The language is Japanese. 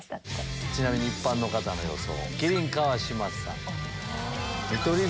ちなみに一般の方の予想。